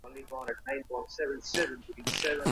ایا لوی صادروونکي وچه مېوه پلوري؟